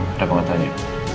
kenapa gak tanya